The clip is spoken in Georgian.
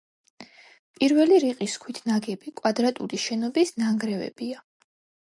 პირველი რიყის ქვით ნაგები კვადრატული შენობის ნანგრევებია.